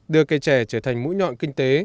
đưa cây trè trở thành mũi nhọn kinh tế